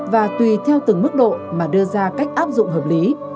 và tùy theo từng mức độ mà đưa ra cách áp dụng hợp lý